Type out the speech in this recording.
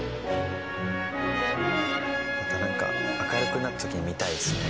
またなんか明るくなった時に見たいですね。